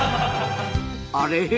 あれ？